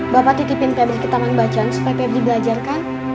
bapak titipin febri ke taman bacaan supaya febri belajar kan